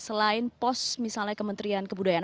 selain pos misalnya kementerian kebudayaan